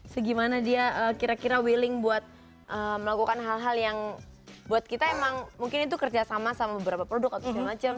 segimana dia kira kira willing buat melakukan hal hal yang buat kita emang mungkin itu kerjasama sama beberapa produk atau segala macam